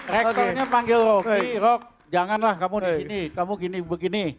rektornya panggil rocky rocky janganlah kamu di sini kamu begini begini